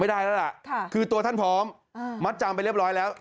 ได้แล้วล่ะคือตัวท่านพร้อมมัดจำไปเรียบร้อยแล้ว